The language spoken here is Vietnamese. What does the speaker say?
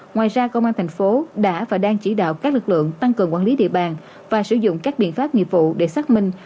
ngoài ra công an thành phố đã và đang chỉ đạo các lực lượng tăng cường quản lý địa bàn và sử dụng các biện pháp nghiệp vụ để xác minh